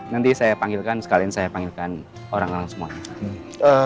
nanti saya panggilkan sekalian saya panggilkan orang orang semuanya